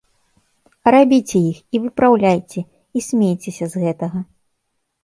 Рабіце іх, і выпраўляйце, і смейцеся з гэтага.